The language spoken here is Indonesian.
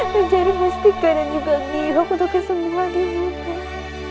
dan jangan memastikan aku juga akan menangkapmu semua